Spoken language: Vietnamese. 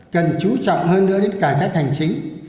cần chú trọng hơn nữa đến cải cách hành chính